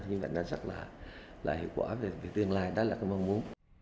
nhưng mà nó rất là hiệu quả về tương lai đó là cái mong muốn